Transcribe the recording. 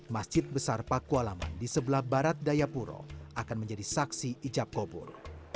masjid besar pakualaman di sebelah barat dayapuro akan menjadi saksi ijab kobur